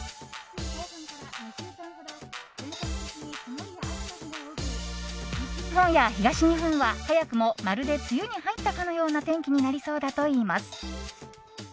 西日本や東日本は早くもまるで梅雨に入ったかのような天気になりそうだといいます。